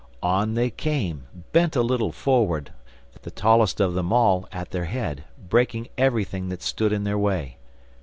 On they came, bent a little forward, the tallest of them all at their head, breaking everything that stood in their way.